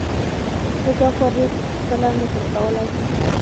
زه دا کار هیڅ کله نه شم کولای.